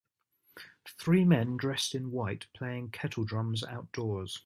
Three men dressed in white playing kettle drums outdoors.